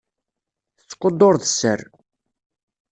Tettqudur d sser.